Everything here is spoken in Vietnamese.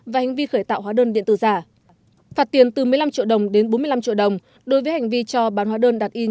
và hành vi khởi tạo hóa đơn điện tử giả phạt tiền từ một mươi năm triệu đồng đến bốn mươi năm triệu đồng đối với hành vi cho bán hóa đơn đặt in